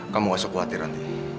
kamu gak usah khawatir nanti